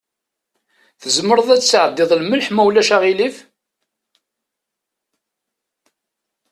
Tzemreḍ ad tesɛeddiḍ lmelḥ, ma ulac aɣilif?